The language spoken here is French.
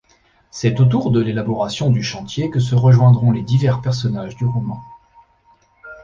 C'est autour de l'élaboration du chantier que se rejoindront les divers personnages du roman.